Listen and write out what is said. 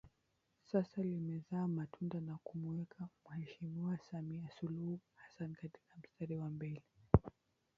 Sasa limezaa matunda na kumuweka muheshimiwa Samia Suluhu Hassan katika mstari wa mbele